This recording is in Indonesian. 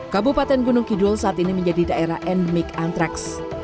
kabupaten gunung kidul saat ini menjadi daerah endemik antraks